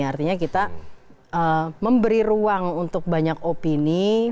artinya kita memberi ruang untuk banyak opini